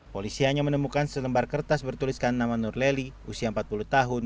polisianya menemukan selembar kertas bertuliskan nama nurleli usia empat puluh tahun